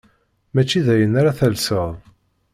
Mačči d ayen ara telseḍ.